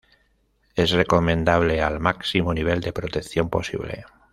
Es recomendable el máximo nivel de protección posible.